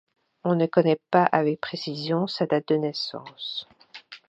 On ne connait pas avec précision sa date de naissance.